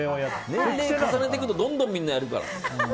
年齢を重ねていくとどんどん、みんなやるから。